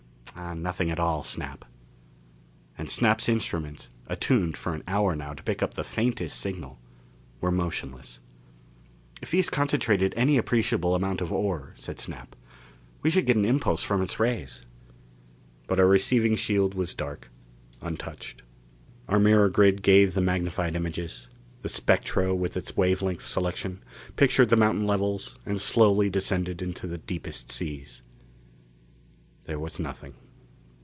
"Nothing at all, Snap." And Snap's instruments, attuned for an hour now to pick up the faintest signal, were motionless. "If he has concentrated any appreciable amount of ore," said Snap. "We should get an impulse from its rays." But our receiving shield was dark, untouched. Our mirror grid gave the magnified images; the spectro, with its wave length selection, pictured the mountain levels and slowly descended into the deepest seas. There was nothing.